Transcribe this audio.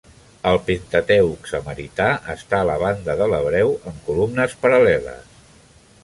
El Pentateuc samarità està a la banda de l'hebreu en columnes paral·leles.